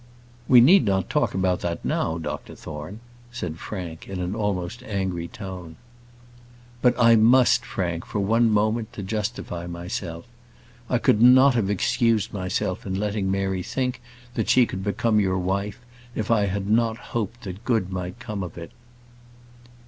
"We need not talk about that now, Dr Thorne," said Frank, in an almost angry tone. "But I must, Frank, for one moment, to justify myself. I could not have excused myself in letting Mary think that she could become your wife if I had not hoped that good might come of it."